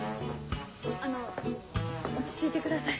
あの落ち着いてください。